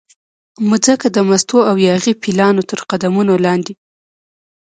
مځکه د مستو او یاغي پیلانو ترقدمونو لاندې